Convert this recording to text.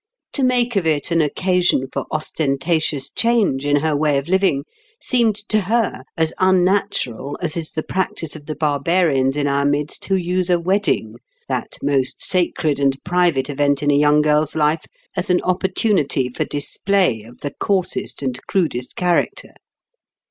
To make of it an occasion for ostentatious change in her way of living seemed to her as unnatural as is the practice of the barbarians in our midst who use a wedding—that most sacred and private event in a young girl's life—as an opportunity for display of the coarsest and crudest character.